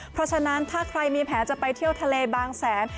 เพราะฉะนั้นถ้าใครมีแผลจะไปเที่ยวทะเลบางแสน